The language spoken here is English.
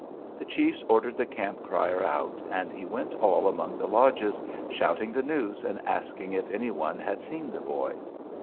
The chiefs ordered the camp crier out, and he went all among the lodges, shouting the news, and asking if any one had seen the boy?